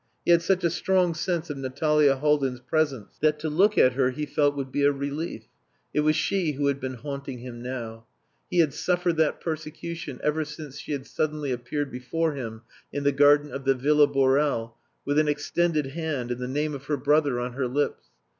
He had such a strong sense of Natalia Haldin's presence that to look at her he felt would be a relief. It was she who had been haunting him now. He had suffered that persecution ever since she had suddenly appeared before him in the garden of the Villa Borel with an extended hand and the name of her brother on her lips....